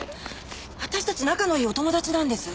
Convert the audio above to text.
私たち仲のいいお友達なんです。